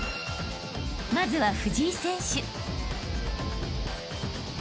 ［まずは藤井選手］